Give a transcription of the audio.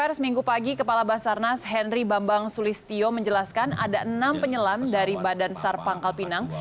pers minggu pagi kepala basarnas henry bambang sulistio menjelaskan ada enam penyelam dari badan sar pangkal pinang